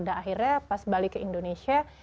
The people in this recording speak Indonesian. dan akhirnya pas balik ke indonesia